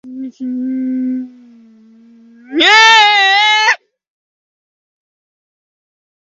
Otras partes de la herencia Merovingio-romana fueron entregadas por Pepin a la abadía.